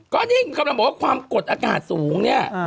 ก็นี่คำตอบบอกว่าความกดอากาศสูง